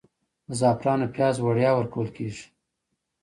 د زعفرانو پیاز وړیا ورکول کیږي؟